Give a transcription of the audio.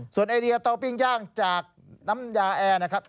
ส่วนไอเดียเตาปิ้งย่างจากน้ำยาแอร์นะครับ